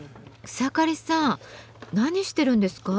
草刈さん何してるんですか？